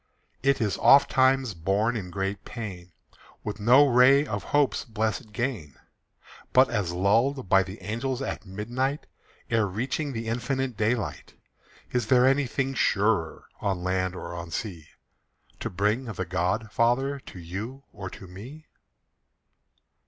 It is oftentimes born in great pain, With no ray of hope's blessed gain. But as lulled by the angels at midnight Ere reaching the infinite daylight Is there anything surer, On land or on sea, To bring the God Father To you or to me?